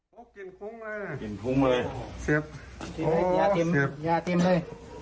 กลุ่มเลยกลุ่มเลยเสบสีอ๋อเสบยาติมเลย